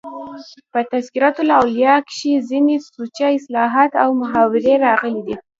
په "تذکرة الاولیاء" کښي ځيني سوچه اصطلاحات او محاورې راغلي دي.